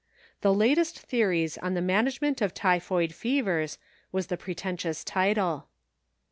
" The Latest Theories on the Manage ment of Typhoid Fevers " was the pretentious title.